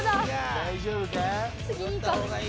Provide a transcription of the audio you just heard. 大丈夫か？